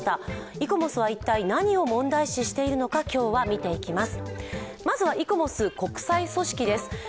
イコモスは一体、何を問題視しているのか、今日は見ていきます。